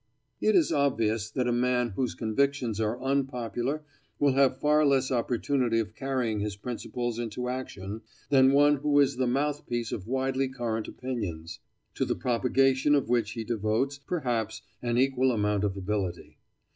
It is obvious that a man whose convictions are unpopular will have far less opportunity of carrying his principles into action than one who is the mouthpiece of widely current opinions, to the propagation of which he devotes, perhaps, an equal amount of ability.